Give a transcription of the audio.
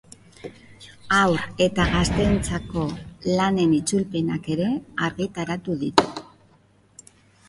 Haur eta gazteentzako lanen itzulpenak ere argitaratu ditu.